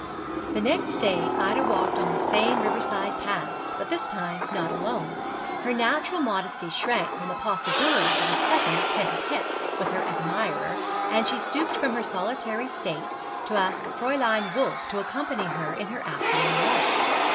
The next day Ida walked on the same riverside path, but this time not alone. Her natural modesty shrank from the possibility of a second tête à tête with her admirer, and she stooped from her solitary state to ask Fräulein Wolf to accompany her in her afternoon walk.